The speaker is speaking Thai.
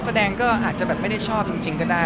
แสดงก็อาจจะแบบไม่ได้ชอบจริงก็ได้